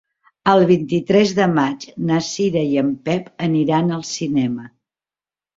El vint-i-tres de maig na Cira i en Pep aniran al cinema.